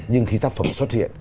nhưng khi tác phẩm xuất hiện